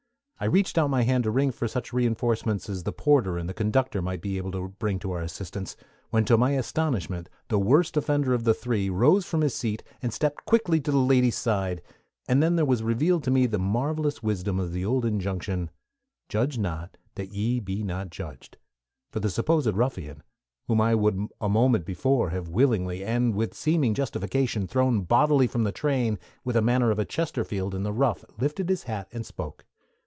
I reached out my hand to ring for such reinforcements as the porter and the conductor might be able to bring to our assistance, when to my astonishment the worst offender of the three rose from his seat, and stepped quickly to the lady's side and then there was revealed to me the marvelous wisdom of the old injunction, "Judge not, that ye be not judged"; for the supposed ruffian, whom I would a moment before have willingly, and with seeming justification, thrown bodily from the train, with the manner of a Chesterfield in the rough lifted his hat and spoke.